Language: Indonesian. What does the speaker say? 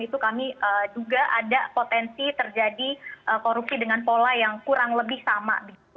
itu kami duga ada potensi terjadi korupsi dengan pola yang kurang lebih sama